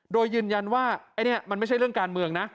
โดยยืนยันว่าไอ้นี่มันไม่ใช่เรื่องการเมืองนะ